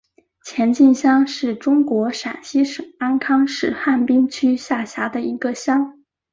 前进乡是中国陕西省安康市汉滨区下辖的一个乡。